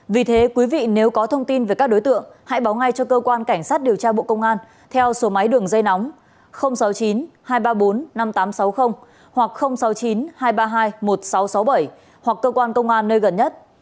vì thế quý vị nếu có thông tin về các đối tượng hãy báo ngay cho cơ quan cảnh sát điều tra bộ công an theo số máy đường dây nóng sáu mươi chín hai trăm ba mươi bốn năm nghìn tám trăm sáu mươi hoặc sáu mươi chín hai trăm ba mươi hai một nghìn sáu trăm sáu mươi bảy hoặc cơ quan công an nơi gần nhất